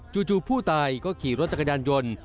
จู่ผู้ตายก็ขี่รถจักรยานยนต์